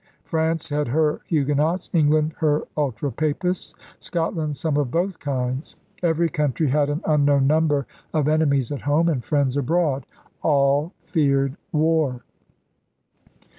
France had her Huguenots; England her ultra Papists; Scot land some of both kinds. Every country had an unknown number of enemies at home and friends abroad. All feared war.